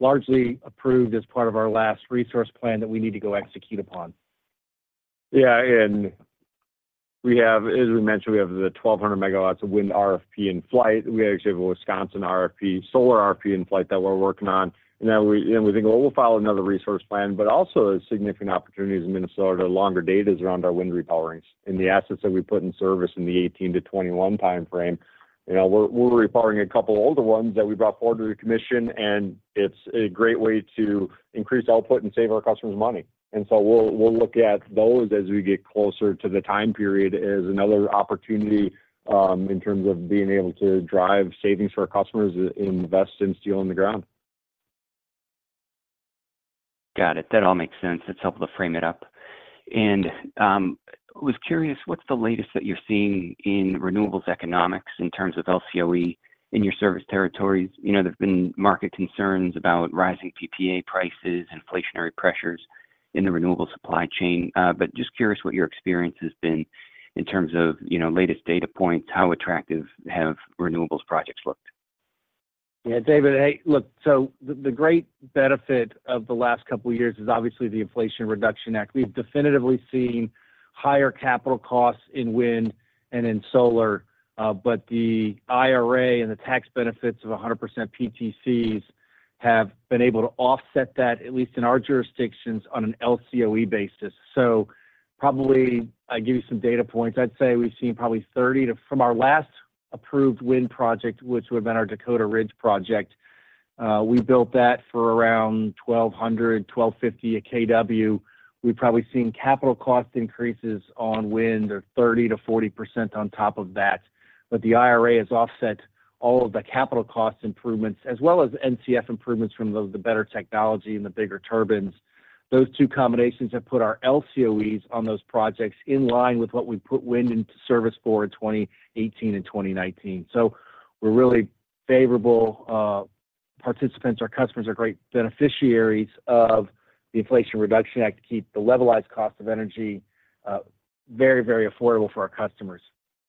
largely approved as part of our last resource plan that we need to go execute upon. Yeah, and we have, as we mentioned, we have the 1,200 MW of wind RFP in flight. We actually have a Wisconsin RFP, solar RFP in flight that we're working on. And now we, and we think, well, we'll file another resource plan, but also significant opportunities in Minnesota, longer-dated around our wind repowerings. And the assets that we put in service in the 2018-2021 timeframe. You know, we're, we're repowering a couple older ones that we brought forward to the commission, and it's a great way to increase output and save our customers money. And so we'll, we'll look at those as we get closer to the time period as another opportunity in terms of being able to drive savings for our customers, invest in steel on the ground. Got it. That all makes sense. It's helpful to frame it up. And, was curious, what's the latest that you're seeing in renewables economics in terms of LCOE in your service territories? You know, there have been market concerns about rising PPA prices, inflationary pressures in the renewable supply chain. But just curious what your experience has been in terms of, you know, latest data points, how attractive have renewables projects looked? Yeah, David. Hey, look, so the great benefit of the last couple of years is obviously the Inflation Reduction Act. We've definitively seen higher capital costs in wind and in solar, but the IRA and the tax benefits of 100% PTCs have been able to offset that, at least in our jurisdictions, on an LCOE basis. So probably, I'll give you some data points. I'd say we've seen probably 30 to, from our last approved wind project, which would have been our Dakota Ridge project, we built that for around $1,200-$1,250/kW. We've probably seen capital cost increases on wind of 30%-40% on top of that. But the IRA has offset all of the capital cost improvements, as well as NCF improvements from the better technology and the bigger turbines. Those two combinations have put our LCOEs on those projects in line with what we put wind into service for in 2018 and 2019. So we're really favorable participants. Our customers are great beneficiaries of the Inflation Reduction Act to keep the levelized cost of energy very, very affordable for our customers.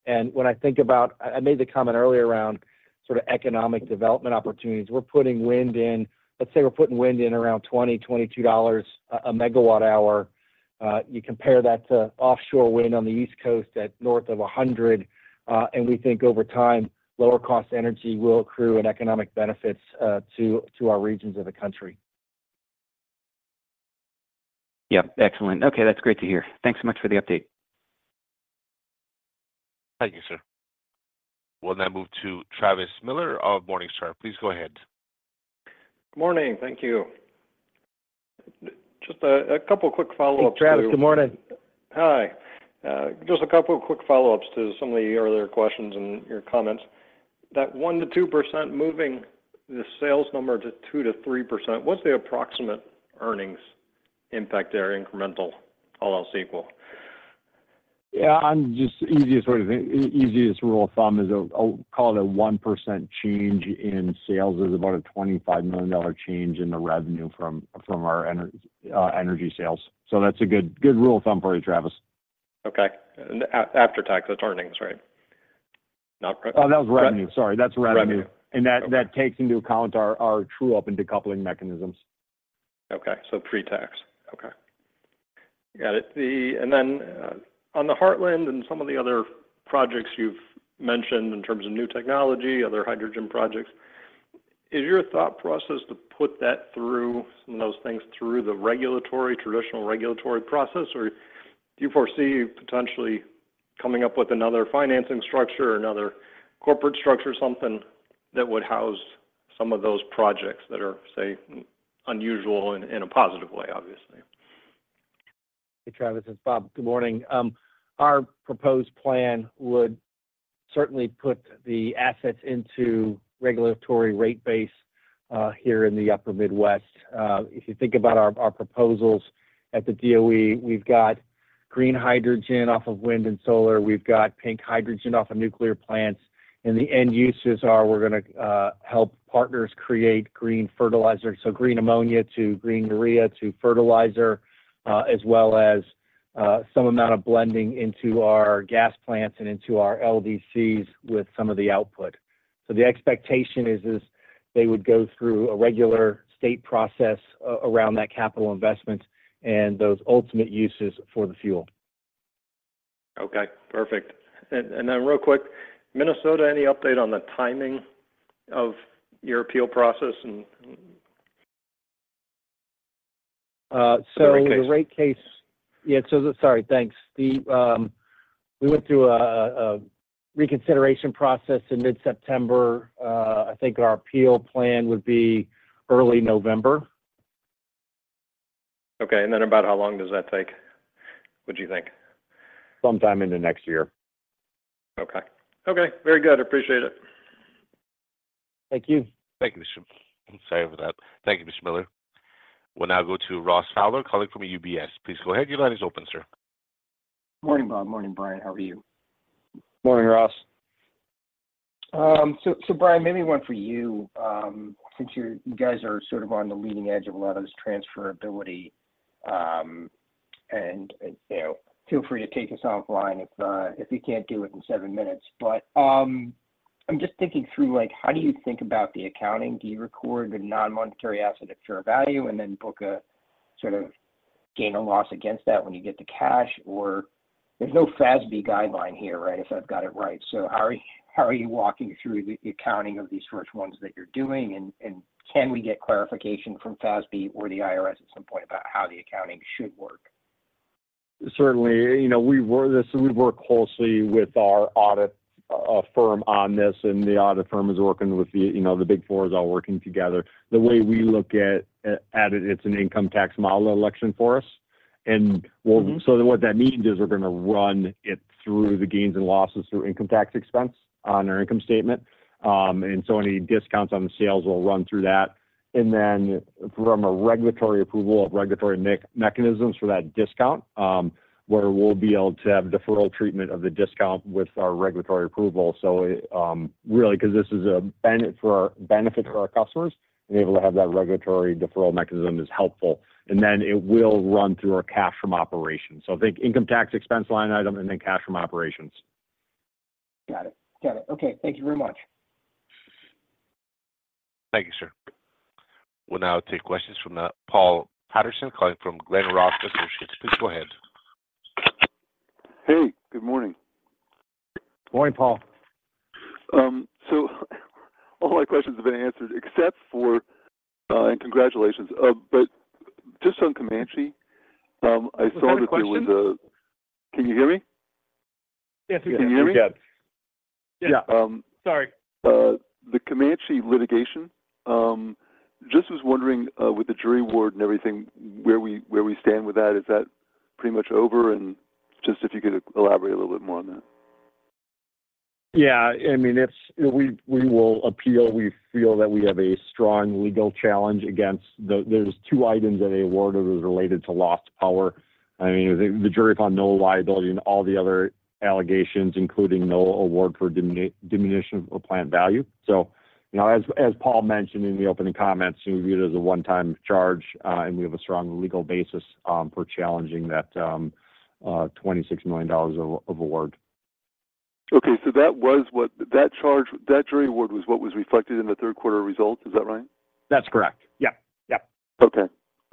And when I think about—I made the comment earlier around sort of economic development opportunities. We're putting wind in—Let's say we're putting wind in around $20-$22 a megawatt hour. You compare that to offshore wind on the East Coast at north of 100, and we think over time, lower-cost energy will accrue and economic benefits to our regions of the country. Yeah, excellent. Okay, that's great to hear. Thanks so much for the update. Thank you, sir. We'll now move to Travis Miller of Morningstar. Please go ahead. Morning. Thank you. Just a couple quick follow-ups to- Hey, Travis, good morning. Hi. Just a couple of quick follow-ups to some of the earlier questions and your comments. That 1%-2% moving the sales number to 2%-3%, what's the approximate earnings impact there, incremental, all else equal? Yeah, the easiest way to think, the easiest rule of thumb is, I'll call it a 1% change in sales is about a $25 million change in the revenue from our energy sales. So that's a good, good rule of thumb for you, Travis. Okay. And after tax, that's earnings, right? Not pre- Oh, that was revenue. Sorry, that's revenue. Revenue. And that- Okay... that takes into account our true-up and decoupling mechanisms. Okay. So pre-tax. Okay, got it. And then, on the Heartland and some of the other projects you've mentioned in terms of new technology, other hydrogen projects, is your thought process to put that through, some of those things, through the regulatory, traditional regulatory process? Or do you foresee potentially coming up with another financing structure or another corporate structure, something that would house some of those projects that are, say, unusual in, in a positive way, obviously? Hey, Travis, it's Bob. Good morning. Our proposed plan would certainly put the assets into regulatory rate base here in the Upper Midwest. If you think about our proposals at the DOE, we've got green hydrogen off of wind and solar, we've got pink hydrogen off of nuclear plants, and the end uses are we're gonna help partners create green fertilizer, so green ammonia to green urea to fertilizer, as well as some amount of blending into our gas plants and into our LDCs with some of the output. So the expectation is they would go through a regular state process around that capital investment and those ultimate uses for the fuel. Okay, perfect. And then real quick, Minnesota, any update on the timing of your appeal process and the rate case? So the rate case... Yeah, so sorry, thanks. We went through a reconsideration process in mid-September. I think our appeal plan would be early November. Okay, and then about how long does that take, would you think? Sometime into next year. Okay. Okay, very good. I appreciate it. Thank you. Thank you, Mr. I'm sorry for that. Thank you, Mr. Miller. We'll now go to Ross Fowler, calling from UBS. Please go ahead. Your line is open, sir. Morning, Bob. Morning, Brian. How are you? Morning, Ross. So, Brian, maybe one for you, since you're—you guys are sort of on the leading edge of a lot of this transferability, and, you know, feel free to take us offline if you can't do it in seven minutes. But, I'm just thinking through, like, how do you think about the accounting? Do you record the non-monetary asset at fair value and then book a sort of gain or loss against that when you get the cash? Or there's no FASB guideline here, right? If I've got it right. So how are you walking through the accounting of these first ones that you're doing? And can we get clarification from FASB or the IRS at some point about how the accounting should work? Certainly, you know, we work closely with our audit firm on this, and the audit firm is working with the, you know, the Big Four, all working together. The way we look at it, it's an income tax model election for us. Mm-hmm. What that means is we're going to run it through the gains and losses, through income tax expense on our income statement. Any discounts on the sales will run through that. Then from a regulatory approval or regulatory mechanisms for that discount, where we'll be able to have deferral treatment of the discount with our regulatory approval. Really, because this is a benefit for our, benefit for our customers, and able to have that regulatory deferral mechanism is helpful. Then it will run through our cash from operations. Think income tax, expense line item, and then cash from operations. Got it. Got it. Okay, thank you very much. Thank you, sir. We'll now take questions from Paul Patterson, calling from Glenrock Associates. Please go ahead. Hey, good morning. Morning, Paul. So all my questions have been answered except for... And congratulations. But just on Comanche, I saw that there was a- Was there a question? Can you hear me? Yes, we can. We can. Can you hear me? Yeah. Yeah. Um, sorry. The Comanche litigation, just was wondering, with the jury award and everything, where we, where we stand with that? Is that pretty much over? And just if you could elaborate a little bit more on that.... Yeah, I mean, we will appeal. We feel that we have a strong legal challenge against the, there's two items that they awarded was related to lost power. I mean, the jury found no liability in all the other allegations, including no award for diminution of plant value. So, you know, as Paul mentioned in the opening comments, we view it as a one-time charge, and we have a strong legal basis for challenging that $26 million of award. Okay, so that was what, that charge, that jury award was what was reflected in the third quarter results. Is that right? That's correct. Yeah. Yeah. Okay.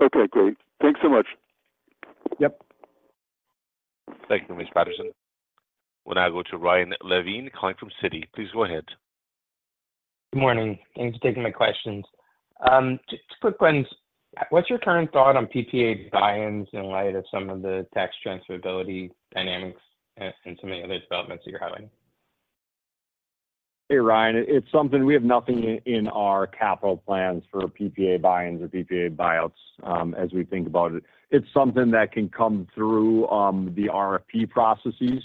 Okay, great. Thanks so much. Yep. Thank you, Mr. Patterson. We'll now go to Ryan Levine calling from Citi. Please go ahead. Good morning. Thanks for taking my questions. Just quick ones. What's your current thought on PPA buy-ins in light of some of the tax transferability dynamics and some of the other developments that you're having? Hey, Ryan. It's something we have nothing in our capital plans for PPA buy-ins or PPA buyouts, as we think about it. It's something that can come through the RFP processes,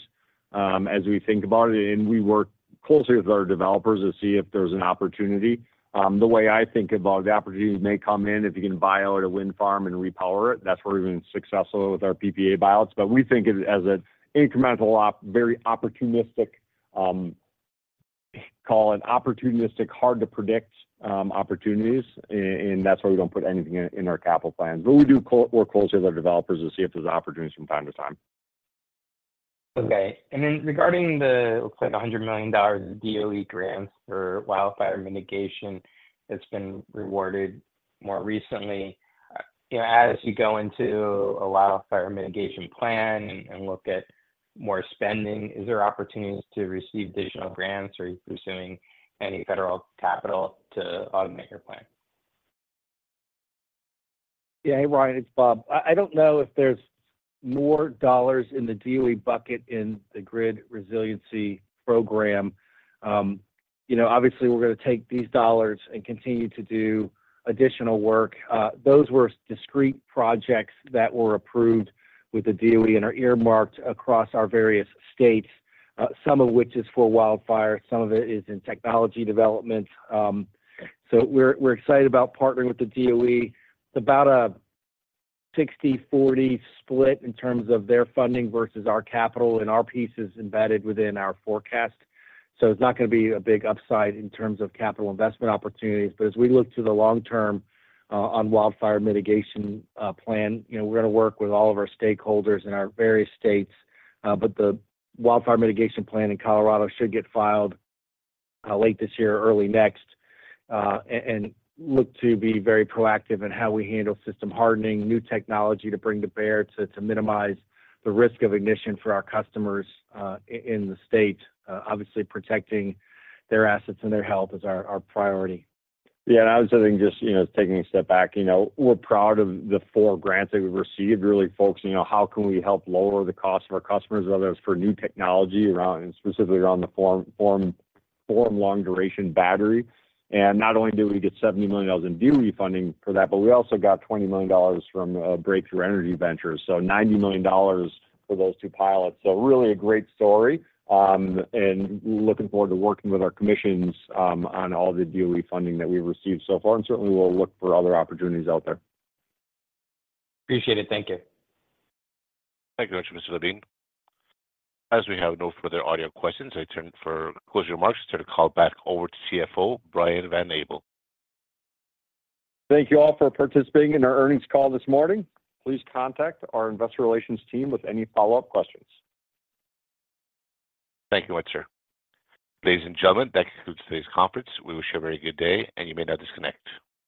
as we think about it, and we work closely with our developers to see if there's an opportunity. The way I think about the opportunities may come in, if you can buy out a wind farm and repower it, that's where we've been successful with our PPA buyouts. But we think of it as an incremental op, very opportunistic, call it opportunistic, hard-to-predict, opportunities. And that's why we don't put anything in our capital plans. But we do work closely with our developers to see if there's opportunities from time to time. Okay. And then regarding the, looks like $100 million of DOE grants for wildfire mitigation that's been awarded more recently, you know, as you go into a wildfire mitigation plan and look at more spending, is there opportunities to receive additional grants, or are you pursuing any federal capital to augment your plan? Yeah. Hey, Ryan, it's Bob. I don't know if there's more dollars in the DOE bucket in the Grid Resilience Program. You know, obviously, we're going to take these dollars and continue to do additional work. Those were discrete projects that were approved with the DOE and are earmarked across our various states, some of which is for wildfire, some of it is in technology development. So we're excited about partnering with the DOE. It's about a 60/40 split in terms of their funding versus our capital, and our piece is embedded within our forecast. So it's not going to be a big upside in terms of capital investment opportunities. But as we look to the long term, on wildfire mitigation plan, you know, we're going to work with all of our stakeholders in our various states. But the wildfire mitigation plan in Colorado should get filed late this year or early next. And look to be very proactive in how we handle system hardening, new technology to bring to bear, to minimize the risk of ignition for our customers in the state. Obviously, protecting their assets and their health is our priority. Yeah, and I would say just, you know, taking a step back, you know, we're proud of the four grants that we've received. Really focusing on how can we help lower the cost of our customers, whether it's for new technology around—and specifically around the Form long-duration battery. And not only did we get $70 million in DOE funding for that, but we also got $20 million from Breakthrough Energy Ventures, so $90 million for those two pilots. So really a great story, and looking forward to working with our commissions on all the DOE funding that we've received so far, and certainly, we'll look for other opportunities out there. Appreciate it. Thank you. Thank you very much, Mr. Levine. As we have no further audio questions, I turn for closing remarks, turn the call back over to CFO, Brian Van Abel. Thank you all for participating in our earnings call this morning. Please contact our investor relations team with any follow-up questions. Thank you once, sir. Ladies and gentlemen, that concludes today's conference. We wish you a very good day, and you may now disconnect.